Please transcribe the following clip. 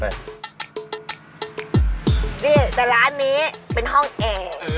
นี่แต่ร้านนี้เป็นห้องแอร์